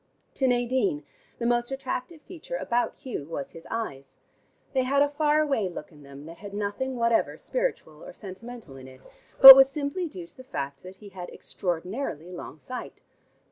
To Nadine, the most attractive feature about Hugh was his eyes. They had a far away look in them that had nothing whatever spiritual or sentimental in it, but was simply due to the fact that he had extraordinarily long sight.